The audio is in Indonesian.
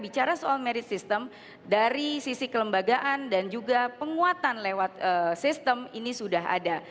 bicara soal merit system dari sisi kelembagaan dan juga penguatan lewat sistem ini sudah ada